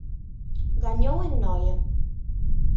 Gañou en Noia.